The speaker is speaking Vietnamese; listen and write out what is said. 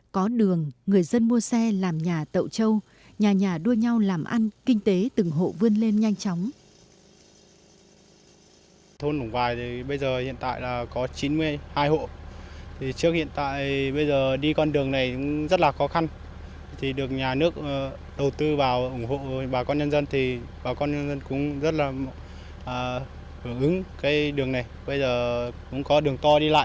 có đường người dân mua xe làm nhà tậu trâu nhà nhà đua nhau làm ăn kinh tế từng hộ vươn lên nhanh chóng